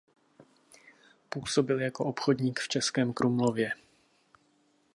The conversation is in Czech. Působil jako obchodník v Českém Krumlově.